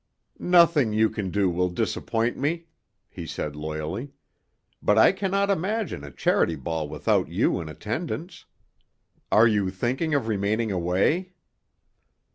"Nothing you can do will disappoint me," he said loyally; "but I cannot imagine a Charity Ball without you in attendance. Are you thinking of remaining away?"